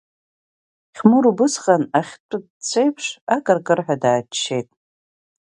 Хьмур убысҟан ахьтәы ҵәҵәеиԥш акыркырҳәа дааччеит.